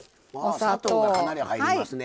砂糖がかなり入りますね。